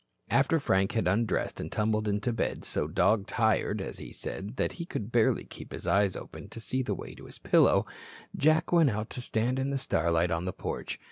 After Frank had undressed and tumbled into bed, so dog tired, as he said, that he could barely keep his eyes open to see the way to his pillow, Jack went out to stand in the starlight on the porch.